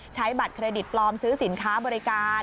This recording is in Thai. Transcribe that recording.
บัตรเครดิตปลอมซื้อสินค้าบริการ